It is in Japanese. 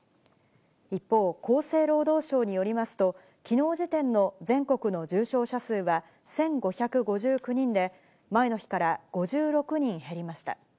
一方、厚生労働省によりますと、きのう時点の全国の重症者数は１５５９人で、前の日から５６人減りました。